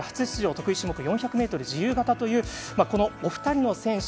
得意種目４００ｍ自由形というこのお二人の選手